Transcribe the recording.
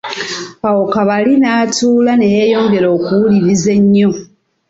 Awo Kabali n'atuula ne yeyongera okuwuliriza ennyo.